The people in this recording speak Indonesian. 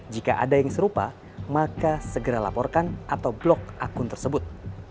jika ada yang serupa maka segera laporkan atau blog akun tersebut